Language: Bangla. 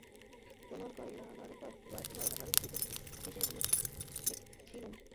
তোদের গয়লাবাড়ির দুধের হিসেব লিখছিলুম।